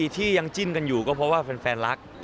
ที่ยังจิ้นกันอยู่ก็เพราะว่าแฟนรัก